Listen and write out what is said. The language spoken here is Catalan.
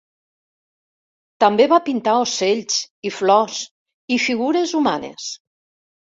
També va pintar ocells i flors i figures humanes.